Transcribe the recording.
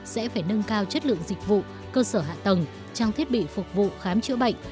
sẽ phải nâng cao chất lượng dịch vụ cơ sở hạ tầng trang thiết bị phục vụ khám chữa bệnh